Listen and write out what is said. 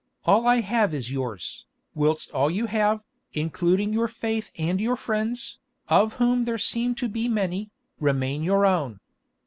All I have is yours, whilst all you have, including your faith and your friends, of whom there seem to be many, remains your own.